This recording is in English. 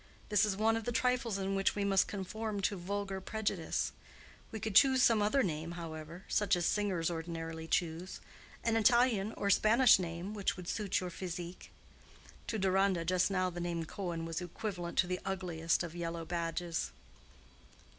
This is one of the trifles in which we must conform to vulgar prejudice. We could choose some other name, however—such as singers ordinarily choose—an Italian or Spanish name, which would suit your physique." To Deronda just now the name Cohen was equivalent to the ugliest of yellow badges.